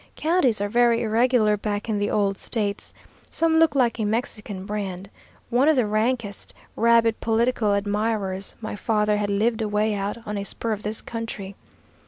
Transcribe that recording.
Counties are very irregular back in the old States. Some look like a Mexican brand. One of the rankest, rabid political admirers my father had lived away out on a spur of this county.